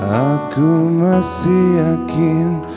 aku masih yakin